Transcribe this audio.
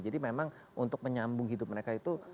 jadi memang untuk menyambung hidup mereka itu